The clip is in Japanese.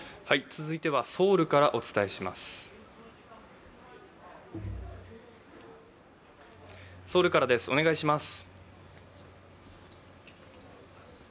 続いてはソウルからお伝えします。